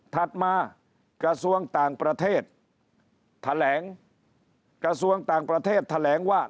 ถัดมากระทรวงต่างประเทศแถลงกระทรวงต่างประเทศแถลงว่า